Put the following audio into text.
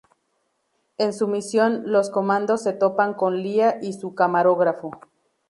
En su misión, los comandos se topan con Lia y su camarógrafo.